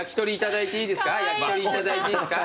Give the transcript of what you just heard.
焼き鳥いただいていいですか？